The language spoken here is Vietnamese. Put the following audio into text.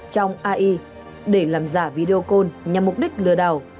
trong ai để làm giả video nhằm mục đích lừa đảo